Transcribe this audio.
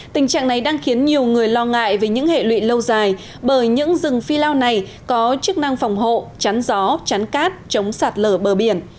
tình trạng này đang khiến nhiều người lo ngại về những hệ lụy lâu dài bởi những rừng phi lao này có chức năng phòng hộ chắn gió chắn cát chống sạt lở bờ biển